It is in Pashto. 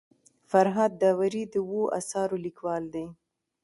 فرهاد داوري د اوو اثارو لیکوال دی.